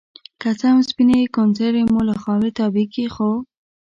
که څه هم سپينې کونترې مو له خاورې تاويږي ،خو